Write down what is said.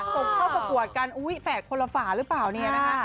ส่งเข้าประกวดกันอุ๊ยแฝดคนละฝาหรือเปล่าเนี่ยนะคะ